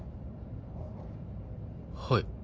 はい。